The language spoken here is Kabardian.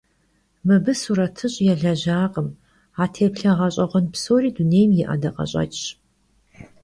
Mıbı suretış' yêlejakhım; a têplhe ğeş'eğuen psori dunêym yi 'edakheş'eç'ş.